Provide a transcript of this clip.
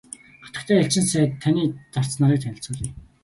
Хатагтай элчин сайд таны зарц нарыг танилцуулъя.